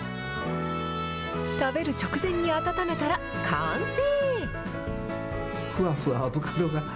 食べる直前に温めたら、完成。